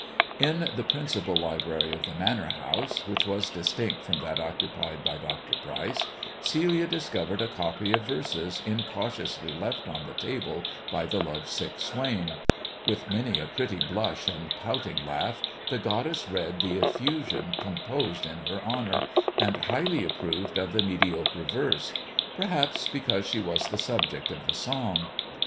In the principal library of the Manor House, which was distinct from that occupied by Dr. Pryce, Celia discovered * copy of verses incautiously left on the table by the love ^^ck swain. With many a pretty blush and pouting laugh, the goddess read the effusion composed in her honour, and highly approved of the mediocre verse; perhaps because ^he was the subject of the song.